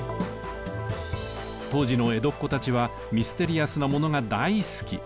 当時の江戸っ子たちはミステリアスなものが大好き。